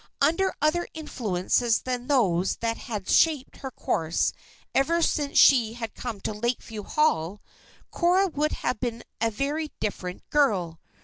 Under other influences than those that had shaped her course ever since she had come to Lakeview Hall, Cora would have been a very different girl.